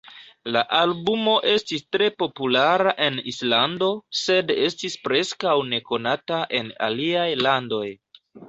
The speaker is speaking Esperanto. La albumo estis tre populara en Islando, sed estis preskaŭ nekonata en aliaj landoj.